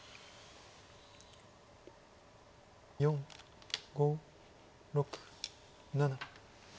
４５６７。